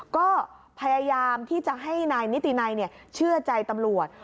ก็พยายามที่จะให้นายนิตินัยเชื่อใจตำรวจ